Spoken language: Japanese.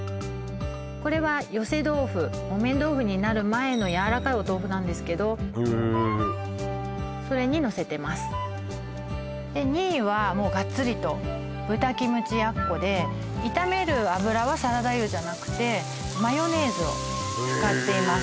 これは寄せ豆腐木綿豆腐になる前のやわらかいお豆腐なんですけどそれにのせてますで２位はもうガッツリと豚キムチ奴で炒める油はサラダ油じゃなくてマヨネーズを使っています